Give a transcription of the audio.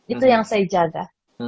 itu yang saya jaga